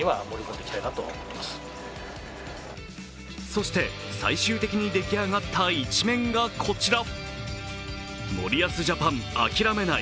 そして、最終的に出来上がった１面がこちら。